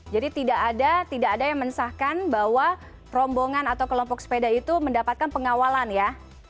jadi tidak ada yang mensahkan bahwa perombongan atau kelompok sepeda itu mendapatkan pengawalan ya